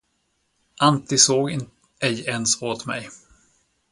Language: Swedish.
Antti såg ej ens åt mig.